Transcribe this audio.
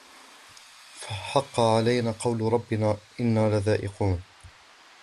فَحَقَّ عَلَيْنَا قَوْلُ رَبِّنَا إِنَّا لَذَائِقُونَ